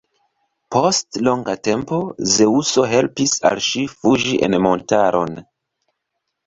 Post longa tempo Zeŭso helpis al ŝi fuĝi en montaron.